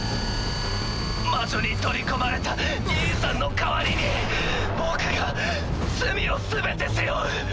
魔女に取り込まれた兄さんの代わりに僕が罪を全て背負う。